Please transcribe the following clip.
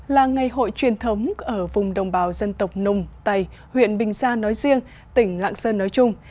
là ngày hội truyền thống ở vùng đồng bào dân tộc nùng tày huyện bình gia nói riêng tỉnh lạng sơn nói chung